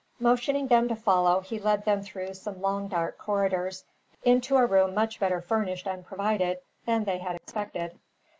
Motioning them to follow, he led them through some long dark corridors, into a room much better furnished and provided than they had expected.